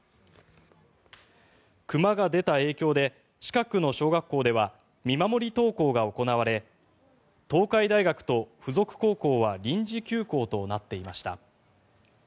熊が出た影響で近くの小学校では見守り登校が行われ東海大学と付属高校は臨時休校となっていました。